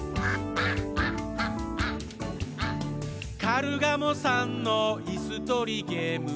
「カルガモさんのいすとりゲーム」